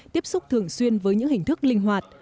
tiếp xúc thường xuyên với những hình thức linh hoạt